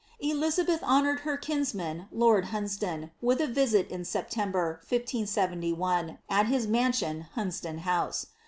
Elizabeth honoured her kinsman, lord Hunsdon, with a visit in Sep tember, 1571, at his mansion, Hunsdon House.